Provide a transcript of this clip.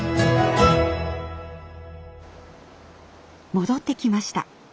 戻ってきました。